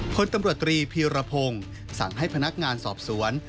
เพราะตำรวจตรีพิวระพงสั่งให้พนักงานสอบสวน